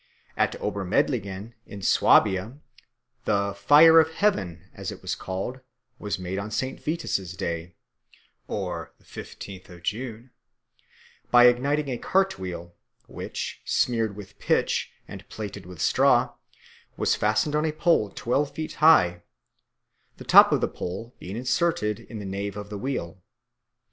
At Obermedlingen, in Swabia, the "fire of heaven," as it was called, was made on St. Vitus's Day (the fifteenth of June) by igniting a cart wheel, which, smeared with pitch and plaited with straw, was fastened on a pole twelve feet high, the top of the pole being inserted in the nave of the wheel.